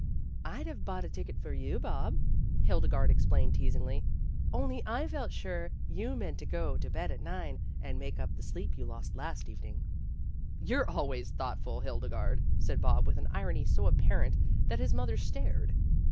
"I'd have bought a ticket for you, Bob," Hildegarde ex 160 PEGGY RAYMOND'S WAY plained teasingly, "Only I felt sure you meant to go to bed at nine, and make up the sleep you lost last evening." "You're always thoughtful, Hildegarde," said Bob with an irony so apparent that his mother stared.